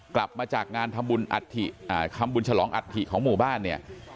กลับมาจากงานทำบุญฉลองอัฐิของหมู่บ้านเนี่ย